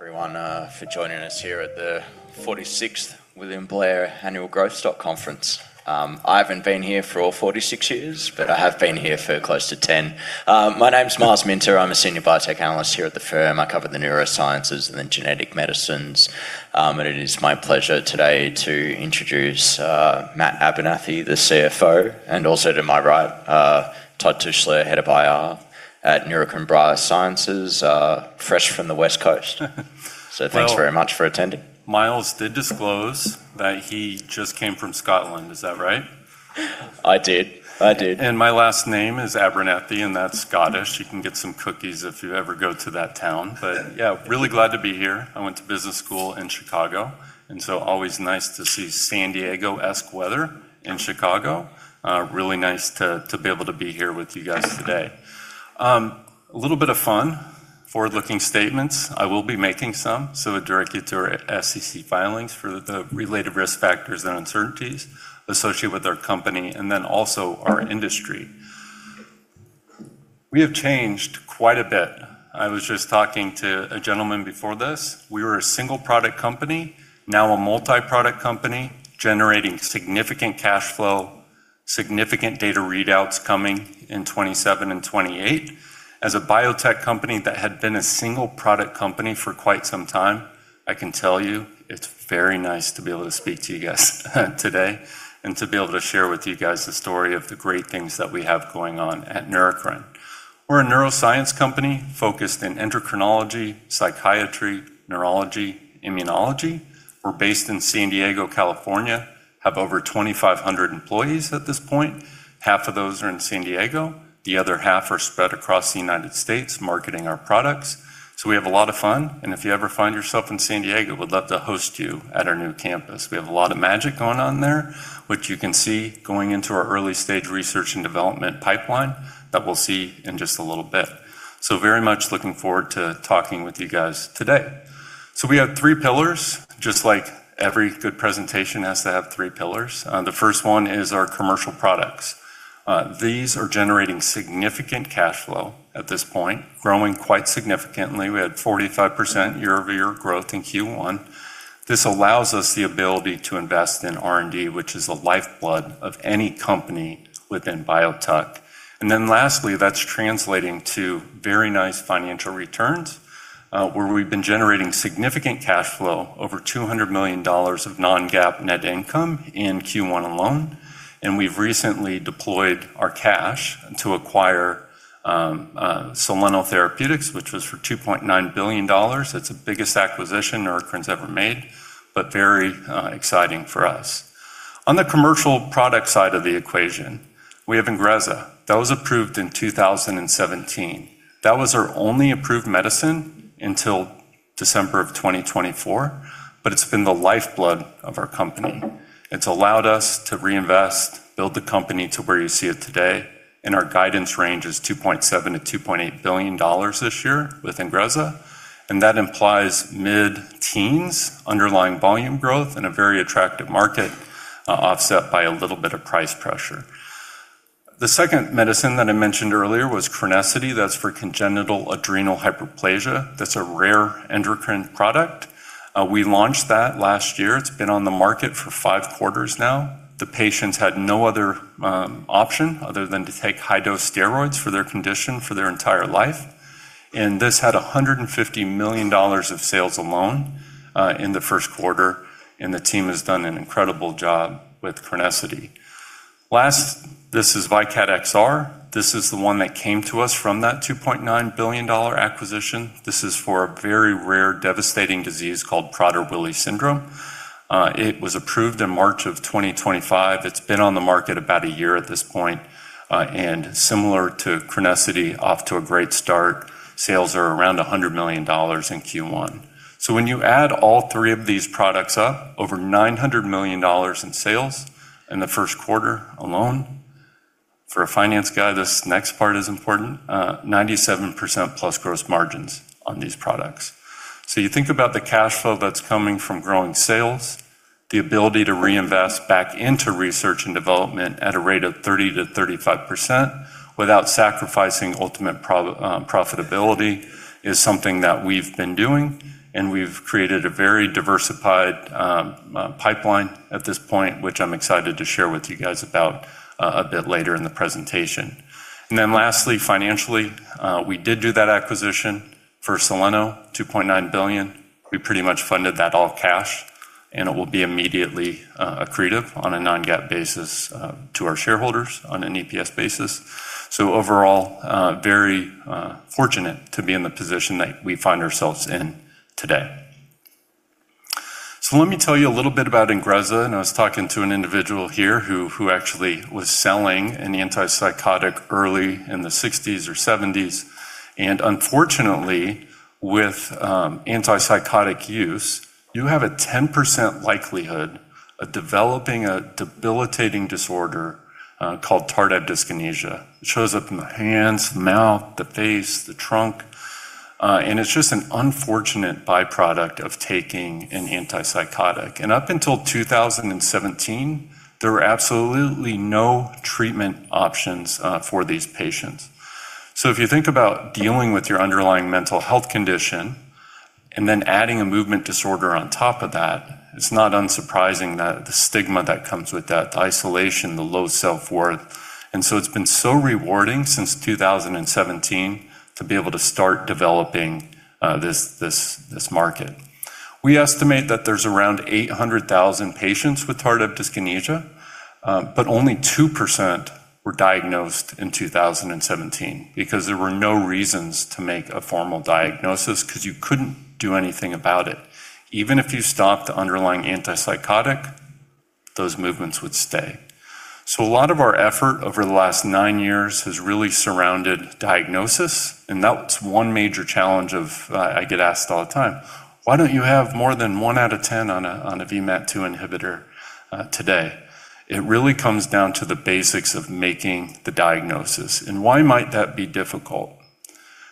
Everyone for joining us here at the William Blair 46th Annual Growth Stock Conference. I haven't been here for all 46 years, but I have been here for close to 10 years. My name's Myles Minter. I'm a senior biotech analyst here at the firm. I cover the neurosciences and the genetic medicines. It is my pleasure today to introduce Matt Abernethy, the CFO, and also to my right, Todd Tushla, Vice President of Investor Relations at Neurocrine Biosciences, fresh from the West Coast. Thanks very much for attending. Well, Myles did disclose that he just came from Scotland. Is that right? I did. My last name is Abernethy, and that's Scottish. You can get some cookies if you ever go to that town. Yeah, really glad to be here. I went to business school in Chicago, always nice to see San Diego-esque weather in Chicago. Really nice to be able to be here with you guys today. A little bit of fun, forward-looking statements, I will be making some, I direct you to our SEC filings for the related risk factors and uncertainties associated with our company, our industry. We have changed quite a bit. I was just talking to a gentleman before this. We were a single-product company, now a multi-product company generating significant cash flow, significant data readouts coming in 2027 and 2028. As a biotech company that had been a single-product company for quite some time, I can tell you it's very nice to be able to speak to you guys today and to be able to share with you guys the story of the great things that we have going on at Neurocrine. We're a neuroscience company focused in endocrinology, psychiatry, neurology, immunology. We're based in San Diego, California, have over 2,500 employees at this point. Half of those are in San Diego. The other half are spread across the United States marketing our products. We have a lot of fun. If you ever find yourself in San Diego, we'd love to host you at our new campus. We have a lot of magic going on there, which you can see going into our early-stage research and development pipeline that we'll see in just a little bit. Very much looking forward to talking with you guys today. We have three pillars, just like every good presentation has to have three pillars. The first one is our commercial products. These are generating significant cash flow at this point, growing quite significantly. We had 45% year-over-year growth in Q1. This allows us the ability to invest in R&D, which is the lifeblood of any company within biotech. Lastly, that's translating to very nice financial returns, where we've been generating significant cash flow, over $200 million of Non-GAAP net income in Q1 alone. We've recently deployed our cash to acquire Soleno Therapeutics, which was for $2.9 billion. It's the biggest acquisition Neurocrine's ever made, but very exciting for us. On the commercial product side of the equation, we have INGREZZA. That was approved in 2017. That was our only approved medicine until December of 2024. It's been the lifeblood of our company. It's allowed us to reinvest, build the company to where you see it today. Our guidance range is $2.7 billion-$2.8 billion this year with INGREZZA, and that implies mid-teens underlying volume growth in a very attractive market, offset by a little bit of price pressure. The second medicine that I mentioned earlier was CRENESSITY. That's for congenital adrenal hyperplasia. That's a rare endocrine product. We launched that last year. It's been on the market for five quarters now. The patients had no other option other than to take high-dose steroids for their condition for their entire life. This had $150 million of sales alone in the first quarter. The team has done an incredible job with CRENESSITY. Last, this is VYKAT XR. This is the one that came to us from that $2.9 billion acquisition. This is for a very rare, devastating disease called Prader-Willi syndrome. It was approved in March of 2025. It's been on the market about a year at this point. Similar to CRENESSITY, off to a great start. Sales are around $100 million in Q1. When you add all three of these products up, over $900 million in sales in the first quarter alone. For a finance guy, this next part is important. 97%+ gross margins on these products. You think about the cash flow that's coming from growing sales, the ability to reinvest back into research and development at a rate of 30%-35% without sacrificing ultimate profitability, is something that we've been doing, and we've created a very diversified pipeline at this point, which I'm excited to share with you guys about a bit later in the presentation. Lastly, financially, we did do that acquisition for Soleno, $2.9 billion. We pretty much funded that all cash, and it will be immediately accretive on a Non-GAAP basis to our shareholders on an EPS basis. Overall, very fortunate to be in the position that we find ourselves in today. Let me tell you a little bit about INGREZZA, and I was talking to an individual here who actually was selling an antipsychotic early in the 1960s or 1970s. Unfortunately, with antipsychotic use, you have a 10% likelihood of developing a debilitating disorder called tardive dyskinesia. It shows up in the hands, the mouth, the face, the trunk, and it's just an unfortunate byproduct of taking an antipsychotic. Up until 2017 there were absolutely no treatment options for these patients. If you think about dealing with your underlying mental health condition and then adding a movement disorder on top of that, it's not unsurprising that the stigma that comes with that, the isolation, the low self-worth. It's been so rewarding since 2017 to be able to start developing this market. We estimate that there's around 800,000 patients with tardive dyskinesia, but only 2% were diagnosed in 2017 because there were no reasons to make a formal diagnosis, because you couldn't do anything about it. Even if you stopped the underlying antipsychotic, those movements would stay. A lot of our effort over the last nine years has really surrounded diagnosis, and that's one major challenge of, I get asked all the time, "Why don't you have more than one out of 10 on a VMAT2 inhibitor today?" It really comes down to the basics of making the diagnosis and why might that be difficult?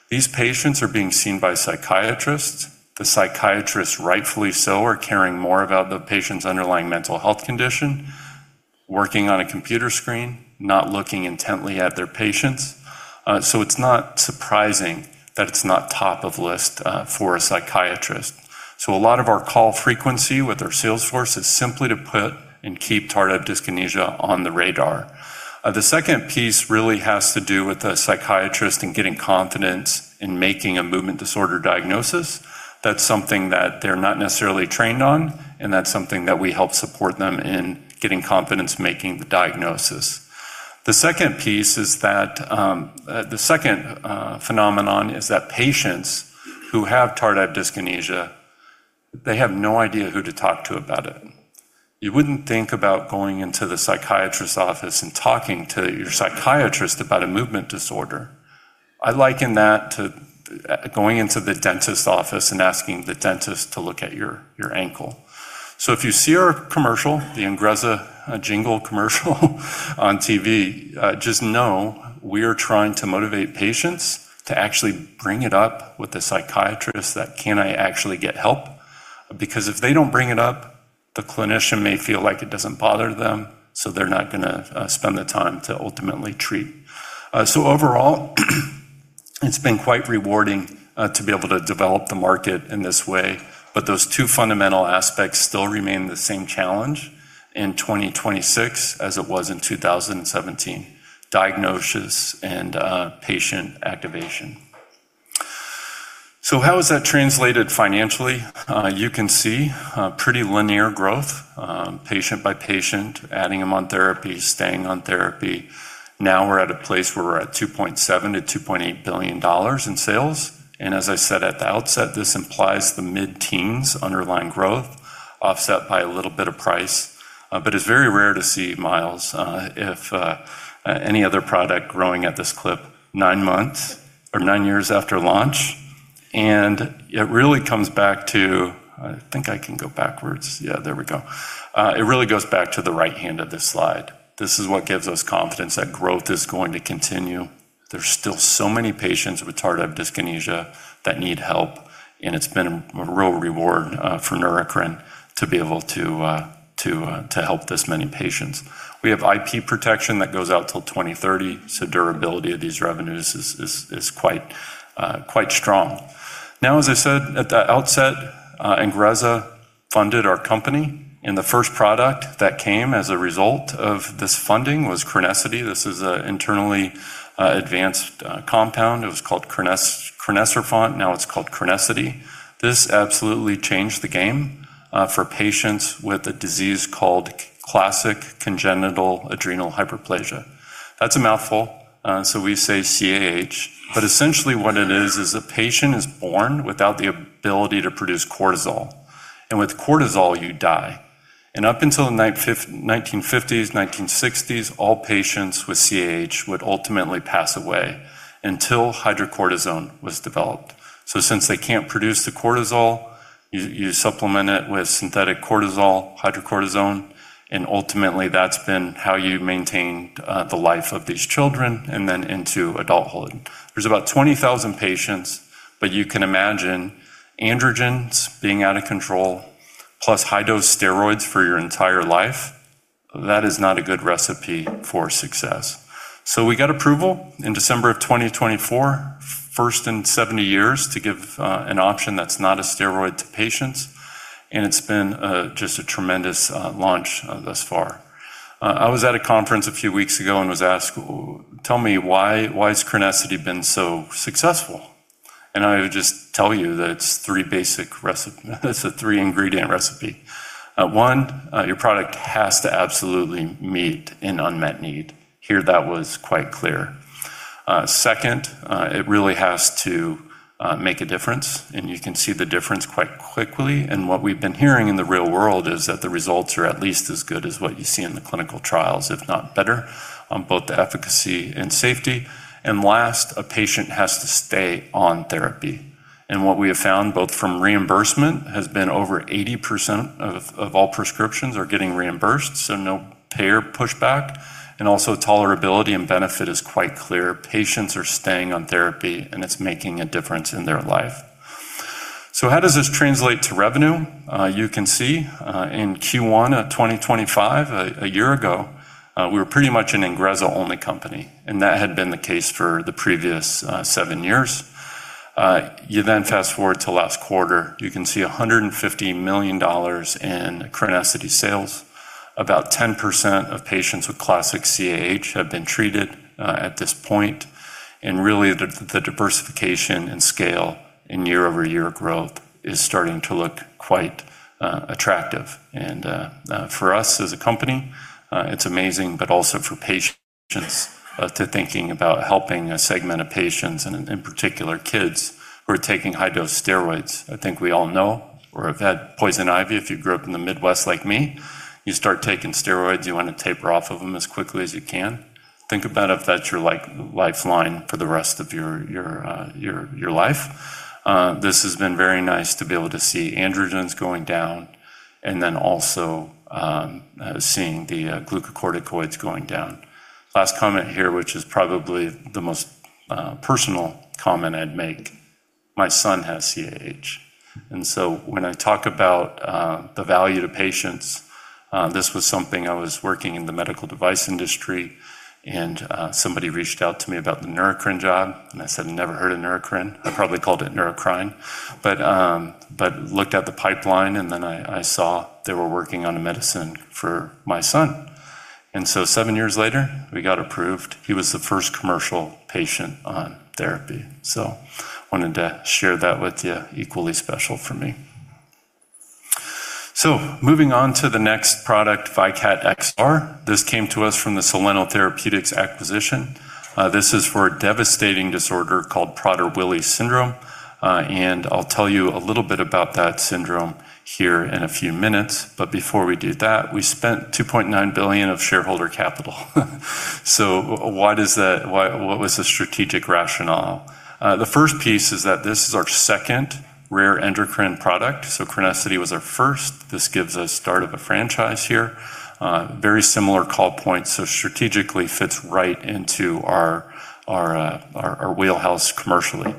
These patients are being seen by psychiatrists. The psychiatrists, rightfully so, are caring more about the patient's underlying mental health condition, working on a computer screen, not looking intently at their patients. It's not surprising that it's not top of list for a psychiatrist. A lot of our call frequency with our sales force is simply to put and keep tardive dyskinesia on the radar. The second piece really has to do with the psychiatrist and getting confidence in making a movement disorder diagnosis. That's something that they're not necessarily trained on, and that's something that we help support them in getting confidence making the diagnosis. The second phenomenon is that patients who have tardive dyskinesia, they have no idea who to talk to about it. You wouldn't think about going into the psychiatrist's office and talking to your psychiatrist about a movement disorder. I liken that to going into the dentist office and asking the dentist to look at your ankle. If you see our commercial, the INGREZZA jingle commercial on TV, just know we are trying to motivate patients to actually bring it up with the psychiatrist that, "Can I actually get help?" If they don't bring it up, the clinician may feel like it doesn't bother them, so they're not going to spend the time to ultimately treat. Overall, it's been quite rewarding to be able to develop the market in this way. Those two fundamental aspects still remain the same challenge in 2026 as it was in 2017, diagnosis and patient activation. How is that translated financially? You can see pretty linear growth, patient by patient, adding them on therapy, staying on therapy. Now we're at a place where we're at $2.7 billion-$2.8 billion in sales. As I said at the outset, this implies the mid-teens underlying growth offset by a little bit of price. It's very rare to see, Myles, if any other product growing at this clip nine months or nine years after launch. I think I can go backwards. Yeah, there we go. It really goes back to the right hand of this slide. This is what gives us confidence that growth is going to continue. There's still so many patients with tardive dyskinesia that need help, and it's been a real reward for Neurocrine to be able to help this many patients. We have IP protection that goes out till 2030, so durability of these revenues is quite strong. As I said at the outset, INGREZZA funded our company, and the first product that came as a result of this funding was CRENESSITY. This is an internally advanced compound. It was called crinecerfont, now it's called CRENESSITY. This absolutely changed the game for patients with a disease called classic congenital adrenal hyperplasia. That's a mouthful, so we say CAH. Essentially what it is a patient is born without the ability to produce cortisol, and with cortisol, you die. Up until the 1950s, 1960s, all patients with CAH would ultimately pass away until hydrocortisone was developed. Since they can't produce the cortisol, you supplement it with synthetic cortisol, hydrocortisone, and ultimately, that's been how you maintain the life of these children and then into adulthood. There's about 20,000 patients, you can imagine androgens being out of control plus high-dose steroids for your entire life. That is not a good recipe for success. We got approval in December of 2024, first in 70 years, to give an option that's not a steroid to patients, and it's been just a tremendous launch thus far. I was at a conference a few weeks ago and was asked, "Tell me, why is CRENESSITY been so successful?" I would just tell you that it's a three-ingredient recipe. One, your product has to absolutely meet an unmet need. Here, that was quite clear. Second, it really has to make a difference, and you can see the difference quite quickly. What we've been hearing in the real world is that the results are at least as good as what you see in the clinical trials, if not better, on both the efficacy and safety. Last, a patient has to stay on therapy. What we have found both from reimbursement has been over 80% of all prescriptions are getting reimbursed, so no payer pushback. Also tolerability and benefit is quite clear. Patients are staying on therapy, and it's making a difference in their life. How does this translate to revenue? You can see in Q1 of 2025, a year ago, we were pretty much an INGREZZA-only company, and that had been the case for the previous seven years. You fast-forward to last quarter, you can see $150 million in CRENESSITY sales. About 10% of patients with classic CAH have been treated at this point, really, the diversification and scale in year-over-year growth is starting to look quite attractive. For us as a company, it's amazing, but also for patients to thinking about helping a segment of patients, and in particular, kids who are taking high-dose steroids. I think we all know or have had poison ivy, if you grew up in the Midwest like me, you start taking steroids, you want to taper off of them as quickly as you can. Think about if that's your lifeline for the rest of your life. This has been very nice to be able to see androgens going down, then also seeing the glucocorticoids going down. Last comment here, which is probably the most personal comment I'd make. My son has CAH. When I talk about the value to patients, this was something I was working in the medical device industry, and somebody reached out to me about the Neurocrine job, and I said, "I've never heard of Neurocrine." I probably called it Neurocrine. Looked at the pipeline. I saw they were working on a medicine for my son. Seven years later, we got approved. He was the first commercial patient on therapy. Wanted to share that with you, equally special for me. Moving on to the next product, VYKAT XR. This came to us from the Soleno Therapeutics acquisition. This is for a devastating disorder called Prader-Willi syndrome. I'll tell you a little bit about that syndrome here in a few minutes. Before we do that, we spent $2.9 billion of shareholder capital. What was the strategic rationale? The first piece is that this is our second rare endocrine product. CRENESSITY was our first. This gives us start of a franchise here. Very similar call points, strategically fits right into our wheelhouse commercially.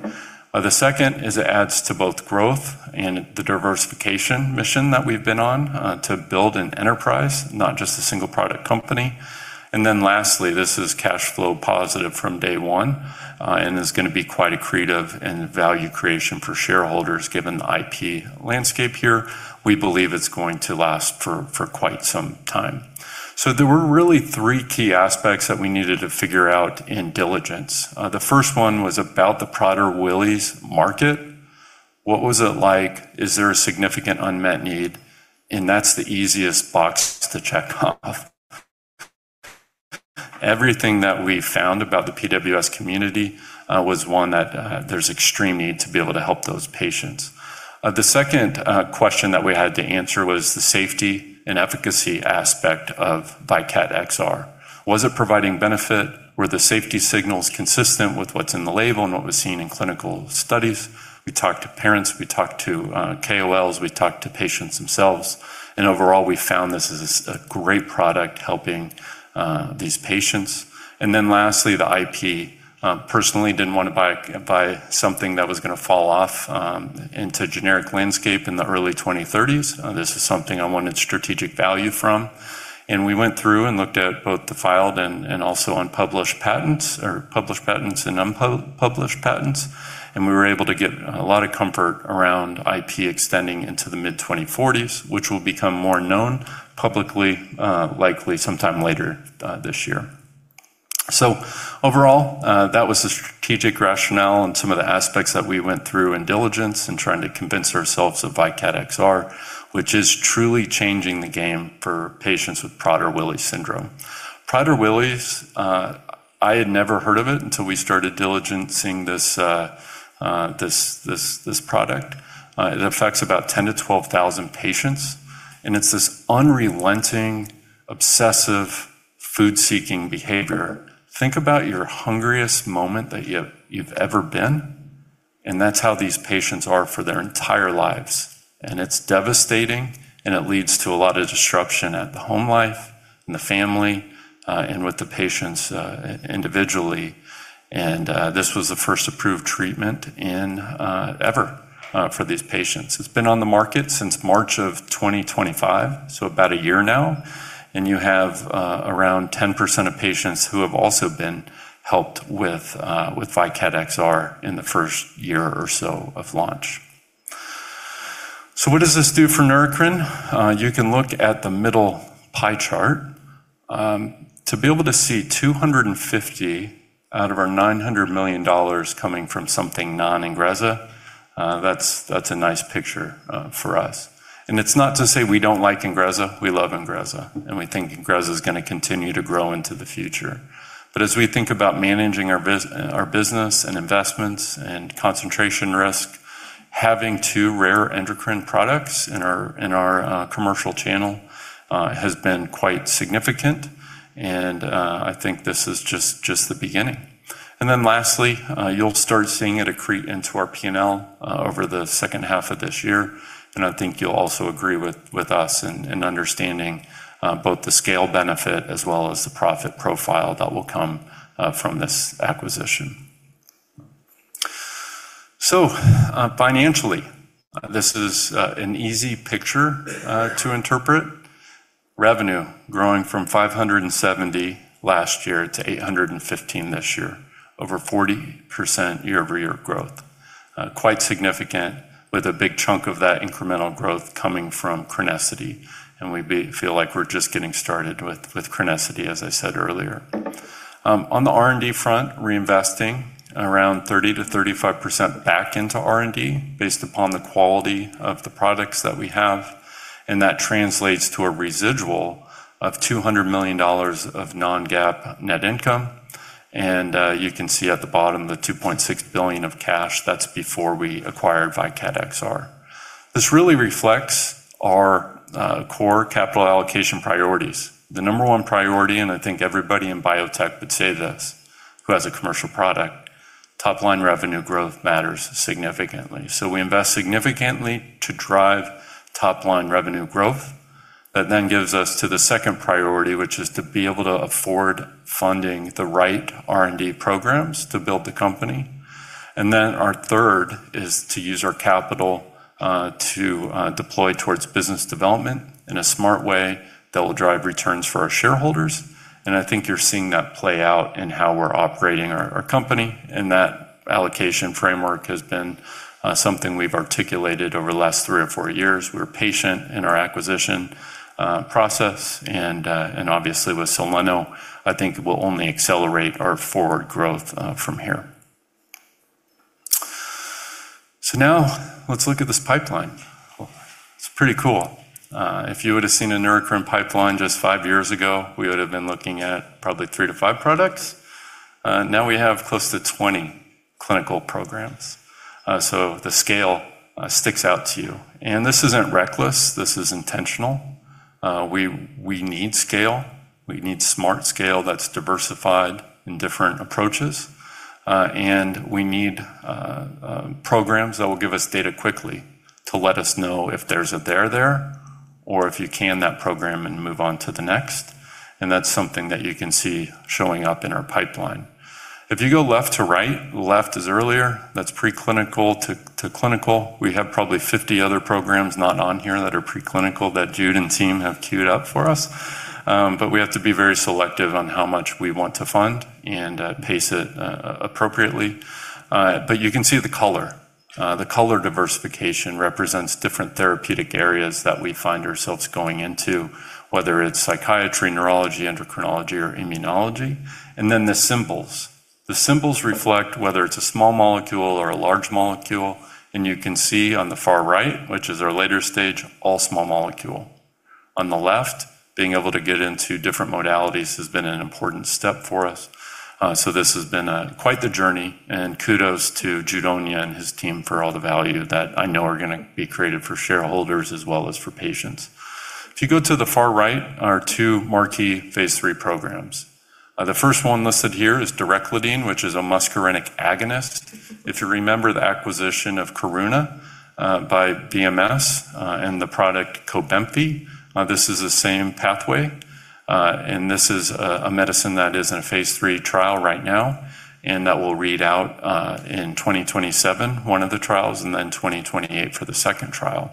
The second is it adds to both growth and the diversification mission that we've been on to build an enterprise, not just a single-product company. Lastly, this is cash flow positive from day one and is going to be quite accretive in value creation for shareholders, given the IP landscape here. We believe it's going to last for quite some time. There were really three key aspects that we needed to figure out in diligence. The first one was about the Prader-Willi's market. What was it like? Is there a significant unmet need? That's the easiest box to check off. Everything that we found about the PWS community was one that there's extreme need to be able to help those patients. The second question that we had to answer was the safety and efficacy aspect of VYKAT XR. Was it providing benefit? Were the safety signals consistent with what's in the label and what was seen in clinical studies? We talked to parents, we talked to KOLs, we talked to patients themselves. Overall, we found this is a great product helping these patients. Lastly, the IP. Personally, didn't want to buy something that was going to fall off into generic landscape in the early 2030s. This is something I wanted strategic value from. We went through and looked at both the filed and also unpublished patents, or published patents and unpublished patents, and we were able to get a lot of comfort around IP extending into the mid-2040s, which will become more known publicly, likely sometime later this year. Overall, that was the strategic rationale and some of the aspects that we went through in diligence and trying to convince ourselves of VYKAT XR, which is truly changing the game for patients with Prader-Willi syndrome. Prader-Willi, I had never heard of it until we started diligencing this product. It affects about 10,000 patients-12,000 patients, and it's this unrelenting, obsessive, food-seeking behavior. Think about your hungriest moment that you've ever been, and that's how these patients are for their entire lives. It's devastating, and it leads to a lot of disruption at the home life, in the family, and with the patients individually. This was the first approved treatment ever for these patients. It's been on the market since March of 2025, so about a year now. You have around 10% of patients who have also been helped with VYKAT XR in the first year or so of launch. What does this do for Neurocrine? You can look at the middle pie chart. To be able to see $250 milion out of our $900 million coming from something non-INGREZZA, that's a nice picture for us. It's not to say we don't like INGREZZA. We love INGREZZA, and we think INGREZZA is going to continue to grow into the future. As we think about managing our business and investments and concentration risk, having two rare endocrine products in our commercial channel has been quite significant, and I think this is just the beginning. Lastly, you'll start seeing it accrete into our P&L over the second half of this year, and I think you'll also agree with us in understanding both the scale benefit as well as the profit profile that will come from this acquisition. Financially, this is an easy picture to interpret. Revenue growing from $570 last year to $815 this year, over 40% year-over-year growth. Quite significant, with a big chunk of that incremental growth coming from CRENESSITY, and we feel like we're just getting started with CRENESSITY, as I said earlier. On the R&D front, reinvesting around 30%-35% back into R&D based upon the quality of the products that we have, and that translates to a residual of $200 million of Non-GAAP net income. You can see at the bottom the $2.6 billion of cash. That's before we acquired VYKAT XR. This really reflects our core capital allocation priorities. The number one priority, and I think everybody in biotech would say this who has a commercial product, top-line revenue growth matters significantly. We invest significantly to drive top-line revenue growth. That then gives us to the second priority, which is to be able to afford funding the right R&D programs to build the company. Our third is to use our capital to deploy towards business development in a smart way that will drive returns for our shareholders. I think you're seeing that play out in how we're operating our company, and that allocation framework has been something we've articulated over the last three or four years. We're patient in our acquisition process, and obviously with Soleno, I think it will only accelerate our forward growth from here. Now let's look at this pipeline. It's pretty cool. If you would've seen a Neurocrine pipeline just five years ago, we would've been looking at probably three to five products. Now we have close to 20 clinical programs, so the scale sticks out to you. This isn't reckless, this is intentional. We need scale. We need smart scale that's diversified in different approaches. We need programs that will give us data quickly to let us know if there's a there there, or if you can, that program, and move on to the next. That's something that you can see showing up in our pipeline. If you go left to right, left is earlier, that's preclinical to clinical. We have probably 50 other programs not on here that are preclinical that Jude and team have queued up for us, we have to be very selective on how much we want to fund and pace it appropriately. You can see the color. The color diversification represents different therapeutic areas that we find ourselves going into, whether it's psychiatry, neurology, endocrinology, or immunology. Then the symbols. The symbols reflect whether it's a small molecule or a large molecule, you can see on the far right, which is our later stage, all small molecule. On the left, being able to get into different modalities has been an important step for us. This has been quite the journey, kudos to Jude Onyia and his team for all the value that I know are going to be created for shareholders as well as for patients. If you go to the far right are our two marquee phase III programs. The first one listed here is direclidine, which is a muscarinic agonist. If you remember the acquisition of Karuna by BMS, and the product COBENFY, this is the same pathway. This is a medicine that is in a phase III trial right now, and that will read out in 2027, one of the trials, and then 2028 for the second trial.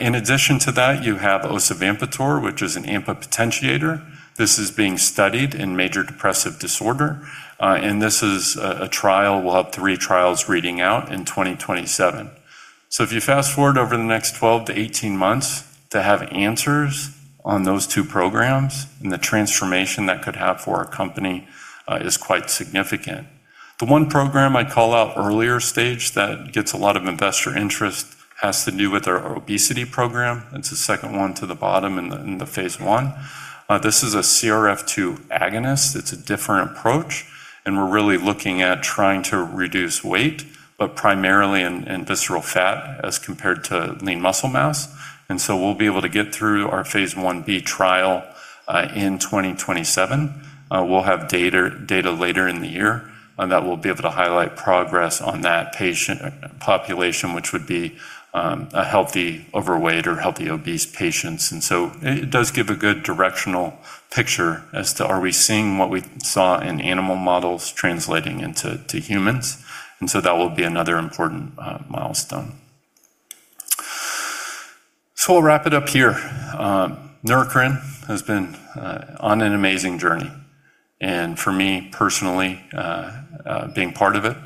In addition to that, you have osavampator, which is an AMPA potentiator. This is being studied in major depressive disorder. This is a trial. We'll have three trials reading out in 2027. If you fast-forward over the next 12 months-18 months to have answers on those two programs, and the transformation that could have for our company is quite significant. The one program I call out earlier stage that gets a lot of investor interest has to do with our obesity program. It's the second one to the bottom in the phase I. This is a CRF2 agonist. It's a different approach, and we're really looking at trying to reduce weight, but primarily in visceral fat as compared to lean muscle mass. We'll be able to get through our phase I-B trial in 2027. We'll have data later in the year that we'll be able to highlight progress on that patient population, which would be a healthy overweight or healthy obese patients. It does give a good directional picture as to are we seeing what we saw in animal models translating into humans. That will be another important milestone. We'll wrap it up here. Neurocrine has been on an amazing journey, and for me personally, being part of it,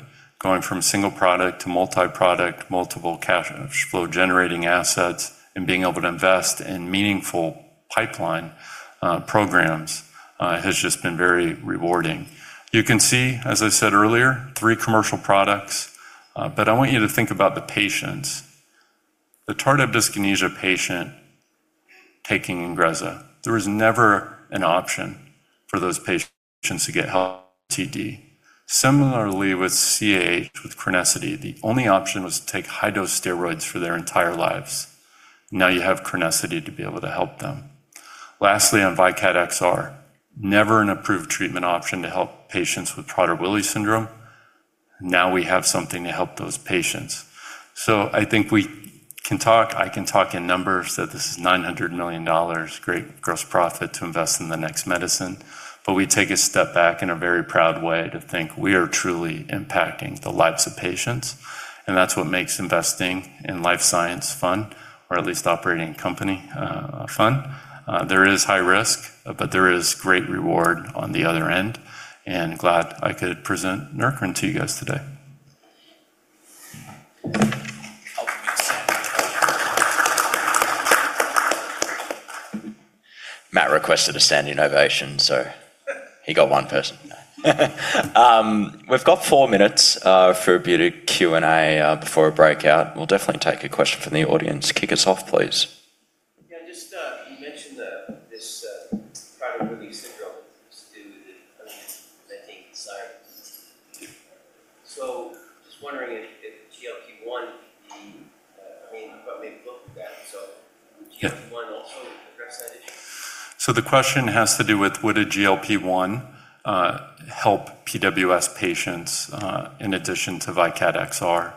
going from single product to multi-product, multiple cash flow generating assets, and being able to invest in meaningful pipeline programs has just been very rewarding. You can see, as I said earlier, three commercial products, but I want you to think about the patients. The tardive dyskinesia patient taking INGREZZA, there was never an option for those patients to get help TD. Similarly with CAH, with CRENESSITY, the only option was to take high-dose steroids for their entire lives. Now you have CRENESSITY to be able to help them. Lastly, on VYKAT XR, never an approved treatment option to help patients with Prader-Willi syndrome. Now we have something to help those patients. I think we can talk, I can talk in numbers that this is $900 million great gross profit to invest in the next medicine. We take a step back in a very proud way to think we are truly impacting the lives of patients, and that's what makes investing in life science fun, or at least operating a company fun. There is high risk, but there is great reward on the other end, and glad I could present Neurocrine to you guys today. Matt requested a standing ovation. He got one person. We've got four minutes for a bit of Q&A before a breakout. We'll definitely take a question from the audience. Kick us off, please. Yeah. You mentioned this Prader-Willi syndrome is due to the unmet need in science. Yeah. Just wondering if GLP-1 could be. You've got maybe a look of that. Yeah would GLP-1 also address that issue? The question has to do with would a GLP-1 help PWS patients in addition to VYKAT XR.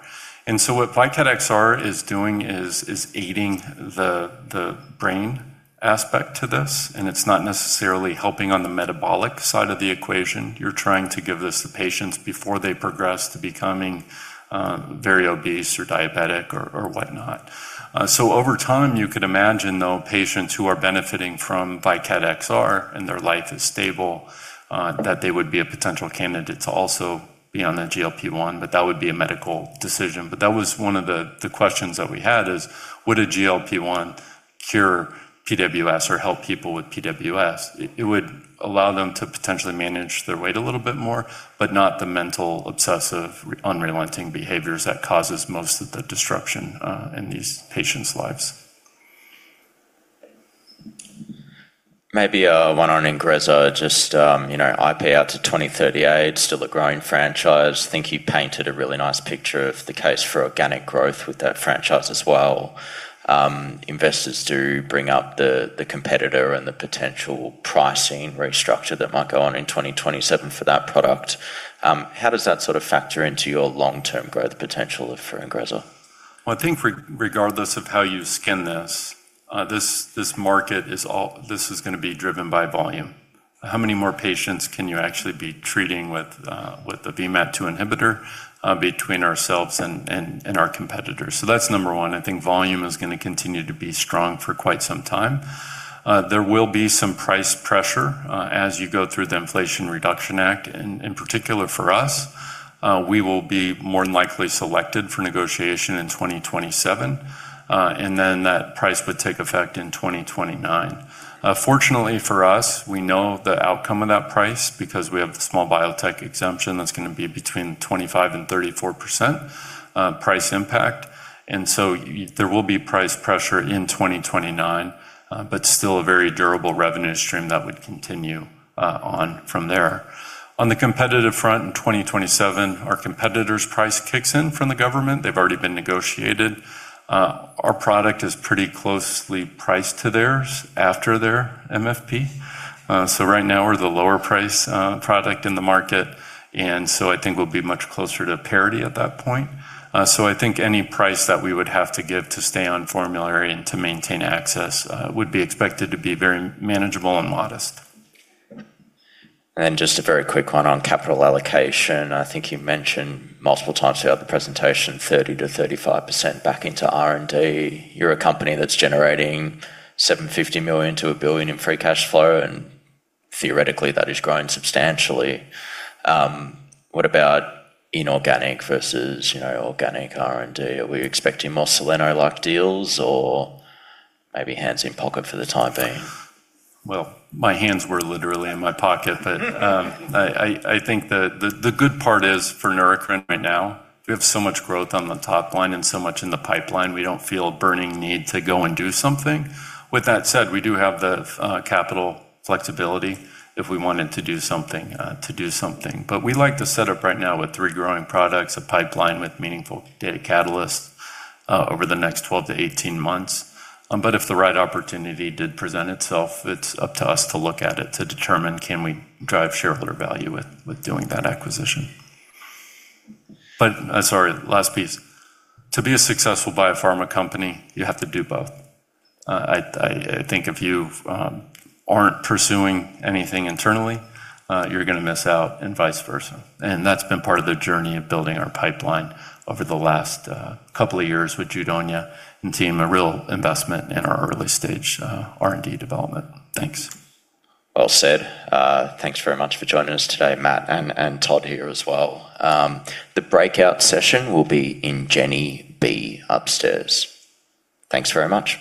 What VYKAT XR is doing is aiding the brain aspect to this, and it's not necessarily helping on the metabolic side of the equation. You're trying to give this to patients before they progress to becoming very obese or diabetic or whatnot. Over time, you could imagine, though, patients who are benefiting from VYKAT XR and their life is stable, that they would be a potential candidate to also be on the GLP-1, but that would be a medical decision. That was one of the questions that we had is, would a GLP-1 cure PWS or help people with PWS? It would allow them to potentially manage their weight a little bit more, but not the mental obsessive, unrelenting behaviors that causes most of the disruption in these patients' lives. Maybe one on INGREZZA, just IP out to 2038, still a growing franchise. Think you painted a really nice picture of the case for organic growth with that franchise as well. Investors do bring up the competitor and the potential pricing restructure that might go on in 2027 for that product. How does that sort of factor into your long-term growth potential for INGREZZA? Well, I think regardless of how you skin this market is going to be driven by volume. How many more patients can you actually be treating with the VMAT2 inhibitor between ourselves and our competitors? That's number 1. I think volume is going to continue to be strong for quite some time. There will be some price pressure as you go through the Inflation Reduction Act. In particular, for us, we will be more than likely selected for negotiation in 2027. That price would take effect in 2029. Fortunately for us, we know the outcome of that price because we have the small biotech exemption that's going to be between 25% and 34% price impact. There will be price pressure in 2029, but still a very durable revenue stream that would continue on from there. On the competitive front, in 2027, our competitor's price kicks in from the government. They've already been negotiated. Our product is pretty closely priced to theirs after their MFP. Right now we're the lower price product in the market, I think we'll be much closer to parity at that point. I think any price that we would have to give to stay on formulary and to maintain access would be expected to be very manageable and modest. Just a very quick one on capital allocation. I think you mentioned multiple times throughout the presentation, 30%-35% back into R&D. You're a company that's generating $750 million-$1 billion in free cash flow, and theoretically, that is growing substantially. What about inorganic versus organic R&D? Are we expecting more Soleno-like deals, or maybe hands in pocket for the time being? Well, my hands were literally in my pocket. I think the good part is for Neurocrine right now, we have so much growth on the top line and so much in the pipeline, we don't feel a burning need to go and do something. With that said, we do have the capital flexibility if we wanted to do something. We like the setup right now with three growing products, a pipeline with meaningful data catalysts over the next 12 months-18 months. If the right opportunity did present itself, it's up to us to look at it to determine can we drive shareholder value with doing that acquisition. Sorry, last piece. To be a successful biopharma company, you have to do both. I think if you aren't pursuing anything internally, you're going to miss out, and vice versa. That's been part of the journey of building our pipeline over the last couple of years with Jude Onyia and team, a real investment in our early-stage R&D development. Thanks. Well said. Thanks very much for joining us today, Matt, and Todd here as well. The breakout session will be in Jenny B upstairs. Thanks very much.